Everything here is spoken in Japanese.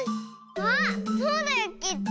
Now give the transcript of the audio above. あそうだよきっと！